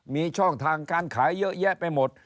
มีช่องทางการขายเยอะแยะไปหมด